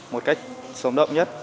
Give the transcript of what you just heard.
một cách sống động nhất